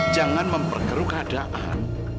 jangan memperkeru keadaan